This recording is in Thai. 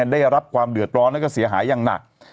ได้รับความเดือดร้อนแล้วก็เสียหายอย่างหนัก